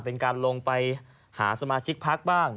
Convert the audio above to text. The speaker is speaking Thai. เป็นการลงไปหาสมาชิกพักบ้าง